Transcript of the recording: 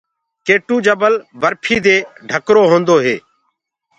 ڪي ٽو جبل برفيٚ دي ڍڪرآ هوندآ هينٚ۔